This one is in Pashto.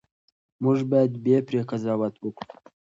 موږ باید بې پرې قضاوت وکړو.